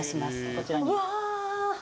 こちらに。